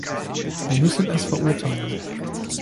Wir müssen es verurteilen.